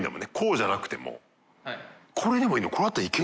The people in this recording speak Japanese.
これでもいいの？